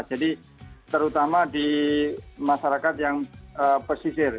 jadi terutama di masyarakat yang pesisir